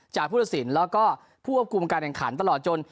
จากผู้ตัดสินและผู้อบคุมการแบ่งขันตลอดจน